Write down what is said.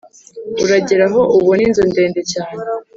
uragera aho ubona inzu ndende cyane